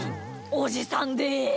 おじさんです！